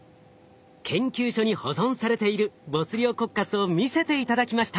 研究所に保存されているボツリオコッカスを見せて頂きました。